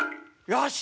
よし！